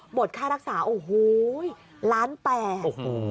หมดค่ารักษาโอ้โหล้านแปด